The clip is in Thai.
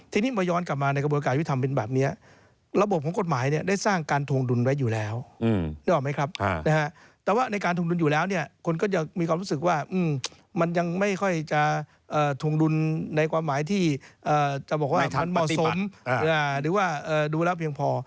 ทีนี้มาย้อนกลับมาในกระบวนการวิทยาลัยธรรมเป็นแบบนี้